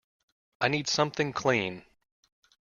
I need something clean.